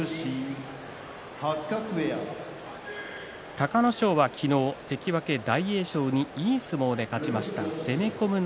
隆の勝は昨日関脇大栄翔にいい相撲で勝ちました。